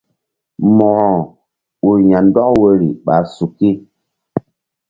Mo̧ko ur ya̧ndɔk woyri ɓa suki.